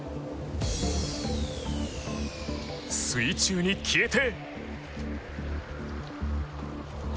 水中に消えて。